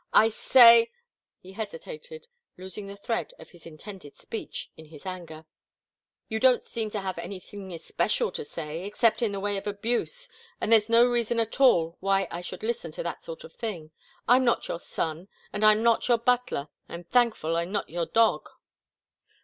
I say " He hesitated, losing the thread of his intended speech in his anger. "You don't seem to have anything especial to say, except in the way of abuse, and there's no reason at all why I should listen to that sort of thing. I'm not your son, and I'm not your butler I'm thankful I'm not your dog!"